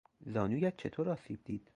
زانویت چطور آسیب دید؟